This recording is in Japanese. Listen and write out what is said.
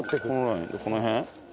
この辺？